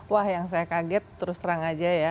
wah yang saya kaget terus terang aja ya